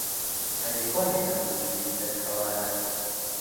ئەرێ کوانێ هات و چووی سەر هەوارانت